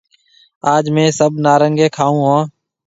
آج ميه سڀ نارِينگِي کاون هون